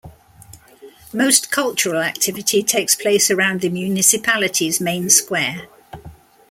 Most cultural activity takes place around the municipality's main square.